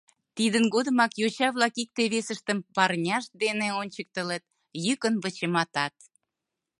Тидын годымак йоча-влак икте-весыштым парняшт дене ончыктылыт, йӱкын вычыматат.